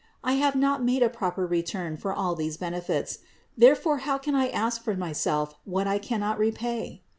I have not made a proper return for all these benefits; therefore how can I ask for myself what I cannot repay?